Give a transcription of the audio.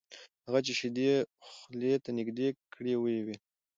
هغه چې شیدې خولې ته نږدې کړې ویې ویل: